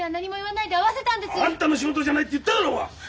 あんたの仕事じゃないって言っただろうが！